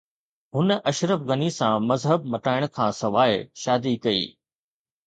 هن اشرف غني سان مذهب مٽائڻ کانسواءِ شادي ڪئي